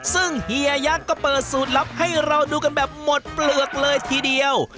ซึ่งเฮียยักษ์ก็เปิดสูตรลับให้เราดูกันแบบหมดเปลือกเลยทีเดียว